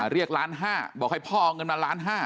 เรียกล้านห้าบอกให้พอเอาเงินมาล้านห้า